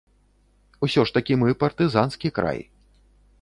Усё ж такі мы партызанскі край.